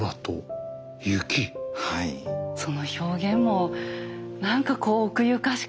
その表現も何かこう奥ゆかしくて。